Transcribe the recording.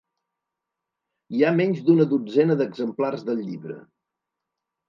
Hi ha menys d'una dotzena d'exemplars del llibre.